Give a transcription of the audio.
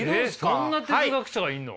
そんな哲学者がいるの？